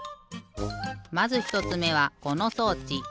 まず１つめはこの装置。